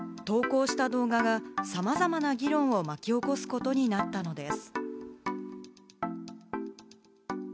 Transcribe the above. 投稿した動画が、さまざまな議論を巻き起こすことになったのです。